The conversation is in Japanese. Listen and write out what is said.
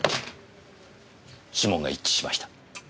指紋が一致しました。